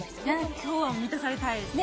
今日は満たされたいですね。